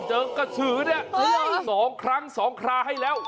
กระสือเนี่ย๒ครั้ง๒คราให้แล้ว